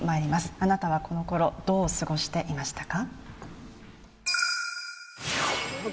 あなたはこのころ、どう過ごしていましたか？